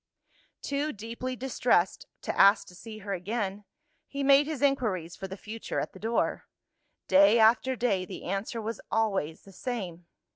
Too deeply distressed to ask to see her again, he made his inquiries for the future at the door. Day after day, the answer was always the same.